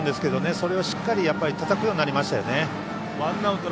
それをしっかりたたくようになりましたよね。